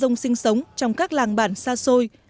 đồng bào ca rông đang sống trong các làng bản xa xôi